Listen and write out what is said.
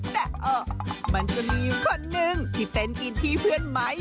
แต่เอ่อมันจะมีคนหนึ่งที่เป็นกินที่เพื่อนไหม